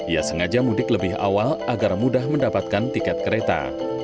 ia sengaja mudik lebih awal agar mudah mendapatkan tiket kereta